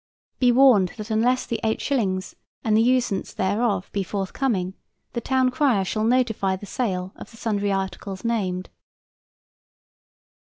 Be warned that unless the 8 shillings and the usance thereof be forthcoming, the town crier shall notify the sale of the sundry articles named.